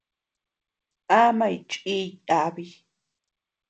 Amañ chiʼiy yabi.